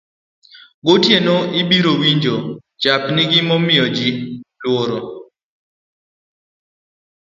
gotieno ibiro winjo chapnigi nomiyo ji lworo